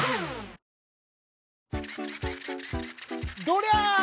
どりゃ！